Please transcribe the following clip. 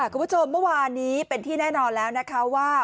คุณผู้ชมเมื่อวานนี้เป็นที่แน่นอนแล้วนะคะว่า